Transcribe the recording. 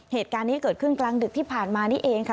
เหตุการณ์นี้เกิดขึ้นกลางดึกที่ผ่านมานี่เองค่ะ